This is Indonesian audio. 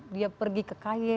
dia pergi ke kaye